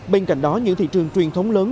bên cạnh đó những thị trường truyền thống lớn